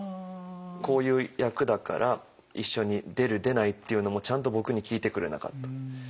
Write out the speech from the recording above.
「こういう役だから一緒に出る出ないっていうのもちゃんと僕に聞いてくれなかった」。